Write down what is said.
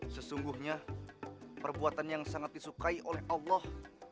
sesungguhnya perbuatan yang sangat disukai oleh allah